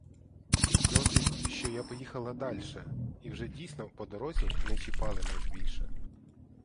Досить, що я поїхала дальше, і вже дійсно по дорозі не чіпали нас більше.